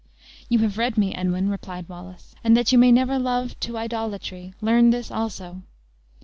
"You have read me, Edwin," replied Wallace; "and that you may never love to idolatry, learn this also.